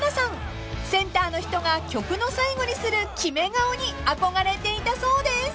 ［センターの人が曲の最後にする決め顔に憧れていたそうです］